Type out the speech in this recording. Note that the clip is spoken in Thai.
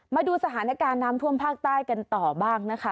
มาดูสถานการณ์น้ำท่วมภาคใต้กันต่อบ้างนะคะ